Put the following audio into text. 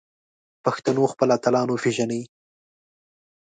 پښتنو خپل اتلان وپیژني